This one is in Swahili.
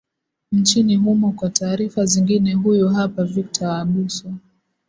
nchini humo kwa taarifa zingine huyu hapa victor abuso